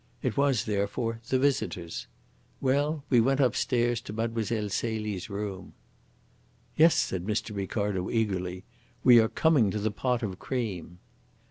It was, therefore, the visitor's. Well, we went upstairs to Mile. Celie's room." "Yes," said Mr. Ricardo eagerly. "We are coming to the pot of cream."